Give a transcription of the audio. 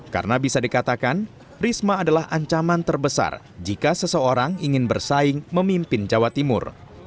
karena bisa dikatakan risma adalah ancaman terbesar jika seseorang ingin bersaing memimpin jawa timur